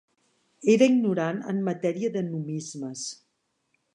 Era ignorant en matèria de numismes